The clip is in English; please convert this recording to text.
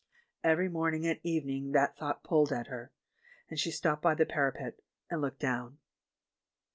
Every morning and evening that thought pulled at her, and she stopped by the parapet and looked down."